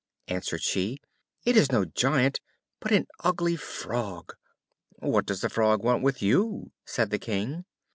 answered she; "it is no giant, but an ugly Frog." "What does the Frog want with you?" said the King.